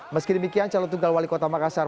meski demikian calon tunggal wali kota makassar